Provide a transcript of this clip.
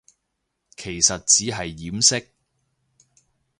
其實只係掩飾